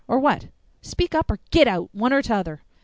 Or what? Speak out, or GIT out, one or t'other."